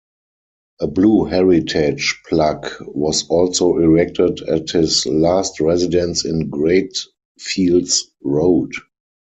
A blue heritage plaque was also erected at his last residence in Greatfields Road.